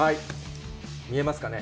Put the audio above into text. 見えますかね。